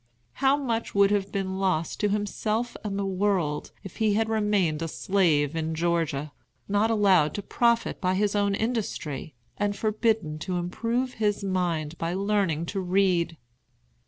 How much would have been lost to himself and the world if he had remained a slave in Georgia, not allowed to profit by his own industry, and forbidden to improve his mind by learning to read!